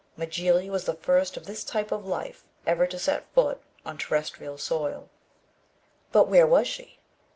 Mjly was the first of this type of life ever to set foot on terrestrial soil. But where was she?